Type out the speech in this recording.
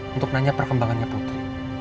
untuk nanya perkembangannya putri